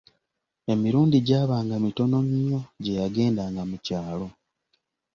Emirundi gyabanga mitono nnyo gye yagendanga mu kyalo.